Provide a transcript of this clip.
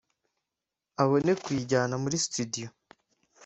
abone kuyijyana muri studio